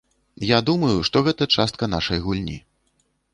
Я думаю, што гэта частка нашай гульні.